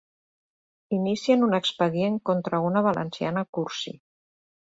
Inicien un expedient contra una valenciana cursi.